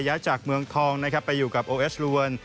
สัญญาจากเมืองทองไปอยู่กับโอเอสรุวรรณ